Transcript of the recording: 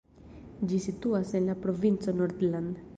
Ĝi situas en la provinco Nordland.